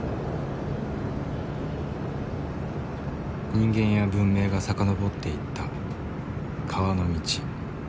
人間や文明が遡っていった川の道。